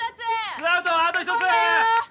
ツーアウトあと１つ！